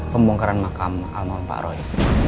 pembongkaran makam alman pak ruy